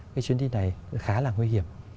cái chuyến đi này khá là nguy hiểm